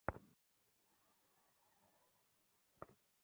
আপনি একদম ঠিক।